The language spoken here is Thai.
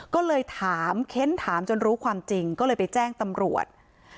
ก็เลยถามเค้นถามจนรู้ความจริงก็เลยไปแจ้งตำรวจ